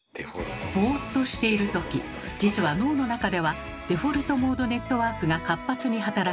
ボーっとしているとき実は脳の中ではデフォルトモードネットワークが活発に働き